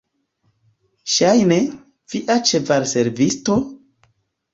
Ŝajne, via ĉevalservisto?